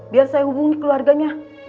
biar saya hubungi keluarganya